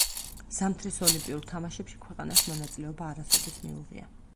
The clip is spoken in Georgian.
ზამთრის ოლიმპიურ თამაშებში ქვეყანას მონაწილეობა არასოდეს მიუღია.